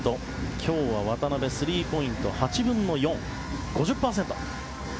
今日は渡邊スリーポイントは８分の４で５０％。